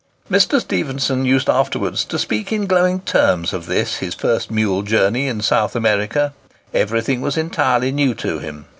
Mr. Stephenson used afterwards to speak in glowing terms of this his first mule journey in South America. Everything was entirely new to him.